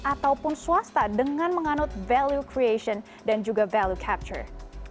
ataupun swasta dengan menganut value creation dan juga value capture